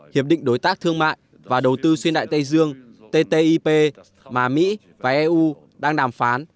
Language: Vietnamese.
hiệp định đối tác thương mại và đầu tư xuyên đại tây dương ttip mà mỹ và eu đang đàm phán